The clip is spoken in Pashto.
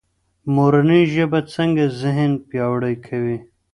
مورنۍ ژبه څنګه ذهن پیاوړی کوي؟